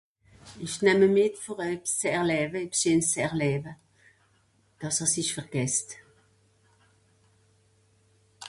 esch nähme'mìt ver'ebs zu erläwe ebs scheen's erläwe dàss es'ich vergässt